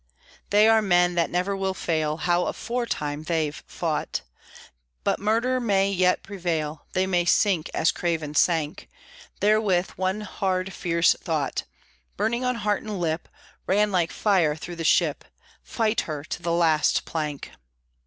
They are men that never will fail (How aforetime they've fought!), But Murder may yet prevail, They may sink as Craven sank. Therewith one hard fierce thought, Burning on heart and lip, Ran like fire through the ship; Fight her, to the last plank!